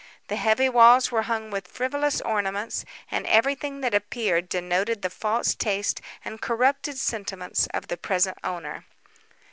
The heavy walls were hung with frivolous ornaments, and everything that appeared denoted the false taste and corrupted sentiments of the present owner.